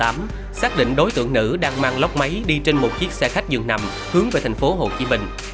năm hai nghìn một mươi tám xác định đối tượng nữ đang mang lóc máy đi trên một chiếc xe khách dường nằm hướng về thành phố hồ chí minh